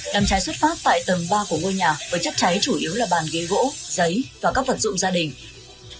đàm cháy xuất phát tại tầng ba của ngôi nhà với chất cháy chủ yếu là bàn ghế gỗ giấy và các vật dụng gia đình